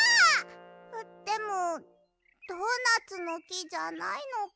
あっでもドーナツのきじゃないのか。